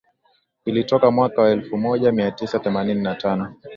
Ilitoka mwaka wa elfu moja mia tisa themanini na tano